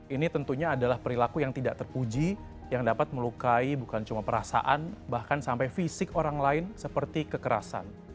ini tentunya adalah perilaku yang tidak terpuji yang dapat melukai bukan cuma perasaan bahkan sampai fisik orang lain seperti kekerasan